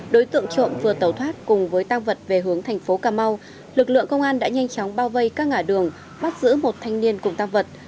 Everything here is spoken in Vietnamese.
đối tượng trộm vừa tẩu thoát cùng với tăng vật về hướng thành phố cà mau lực lượng công an đã nhanh chóng bao vây các ngã đường bắt giữ một thanh niên cùng tăng vật